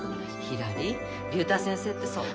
ひらり竜太先生ってそんな。